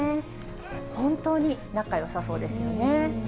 本当に仲よさそうですよね。